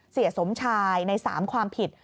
เสียสมชายใน๓ความผิด